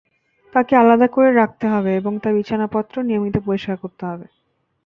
তাকে আলাদা ঘরে রাখতে হবে এবং তার বিছানাপত্র নিয়মিত পরিষ্কার করতে হবে।